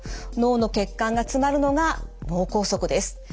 脳の血管が詰まるのが脳梗塞です。